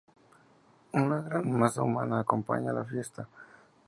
Una gran masa humana acompaña la fiesta.